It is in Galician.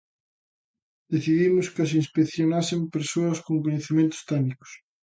Decidimos que as inspeccionasen persoas con coñecementos técnicos.